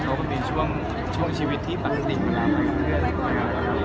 ขอร้องเผื่อว่าในชีวิตประจำวันนั้นมันก็ไม่มีอะไรสำคัญ